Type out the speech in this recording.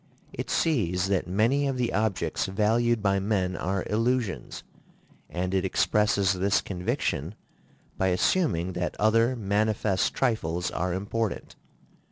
It sees that many of the objects valued by men are illusions, and it expresses this conviction by assuming that other manifest trifles are important.